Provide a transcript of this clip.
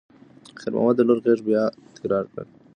خیر محمد د لور غږ بیا تکرار کړ.